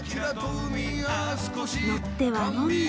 乗っては呑んで。